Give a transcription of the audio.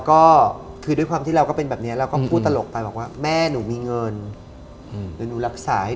ก็คือโดยความที่เราก็เป็นแบบเนี่ยเราก็พูดตลกป๊าวะแม่หนูมีเงินหนูรักษา